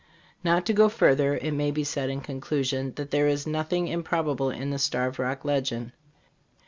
Not to go further, it may be said in conclusion that there is nothing im probable in the Starved Rock legend.